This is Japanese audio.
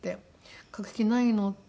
「書く気ないの」って。